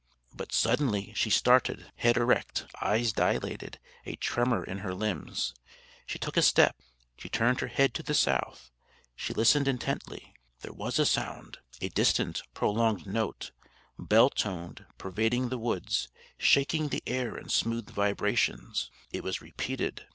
But suddenly she started, head erect, eyes dilated, a tremor in her limbs. She took a step; she turned her head to the south; she listened intently. There was a sound a distant, prolonged note, bell toned, pervading the woods, shaking the air in smooth vibrations. It was repeated.